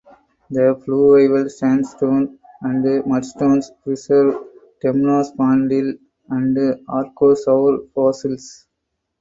The fluvial sandstones and mudstones preserve temnospondyl and archosaur fossils.